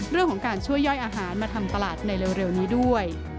เรื่องของการช่วยย่อยอาหารมาทำตลาดในเร็วนี้ด้วย